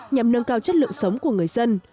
nhằm nâng cao chất lượng sống của người dân